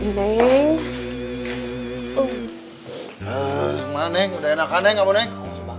semangat nenek udah enakan nenek apa nenek